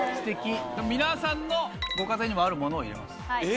皆さんのご家庭にもあるものを入れます。